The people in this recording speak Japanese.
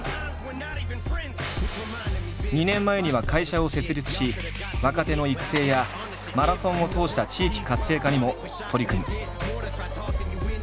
２年前には会社を設立し若手の育成やマラソンを通した地域活性化にも取り組む。